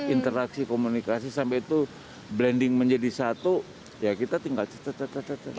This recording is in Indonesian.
interaksi komunikasi sampai itu blending menjadi satu ya kita tinggal